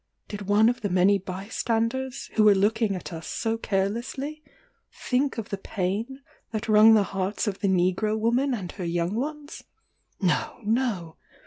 Did one of the many by standers, who were looking at us so carelessly, think of the pain that wrung the hearts of the negro woman and her young ones? No, no!